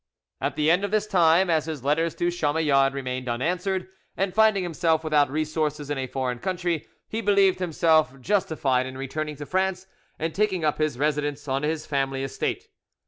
At the end of this time, as his letters to Chamillard remained unanswered, and finding himself without resources in a foreign country, he believed himself justified in returning to France and taking up his residence on his family estate.